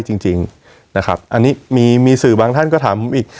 จริงจริงนะครับอันนี้มีมีสื่อบางท่านก็ถามผมอีก